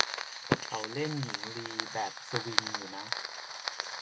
เขาเล่นหญิงลีแบบสวิงอยู่นะ